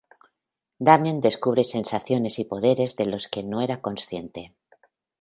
Damien descubre sensaciones y poderes de los que no era consciente.